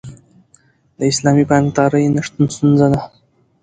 د اسلامي بانکدارۍ نشتون ستونزه ده.